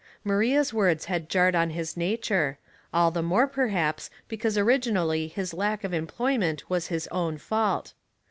Maria's words had jarred on his nature — all the more, perhaps, because origi nally his lack of employment was his own fault.